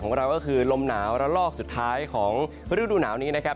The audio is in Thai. ของเราก็คือลมหนาวระลอกสุดท้ายของฤดูหนาวนี้นะครับ